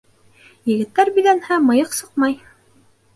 Егеттәр биҙәнһә, мыйыҡ сыҡмай.